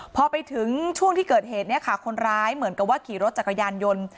พอไปถึงช่วงที่เกิดเหตุเนี่ยค่ะคนร้ายเหมือนกับว่าขี่รถจักรยานยนต์